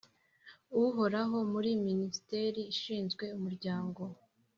uhoraho muri Minisiteri ishinzwe Umuryango